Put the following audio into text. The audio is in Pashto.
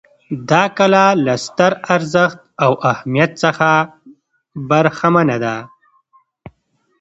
دا کلا له ستر ارزښت او اهمیت څخه برخمنه ده.